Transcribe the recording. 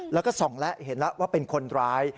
แล้วก็ส่องแล้วเห็นแล้วว่าเป็นคนร้าย